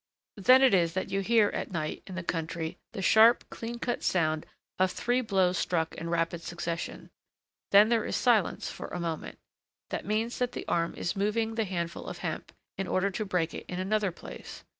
Then it is that you hear at night, in the country, the sharp, clean cut sound of three blows struck in rapid succession. Then there is silence for a moment; that means that the arm is moving the handful of hemp, in order to break it in another place.